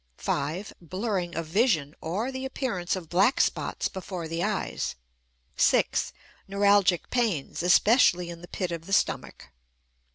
(5) Blurring of vision, or the appearance of black spots before the eyes. (6) Neuralgic pains, especially in the pit of the stomach.